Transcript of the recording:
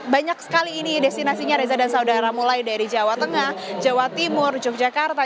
banyak sekali ini destinasinya reza dan saudara mulai dari jawa tengah jawa timur yogyakarta